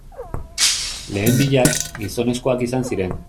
Lehen biak, gizonezkoak izan ziren.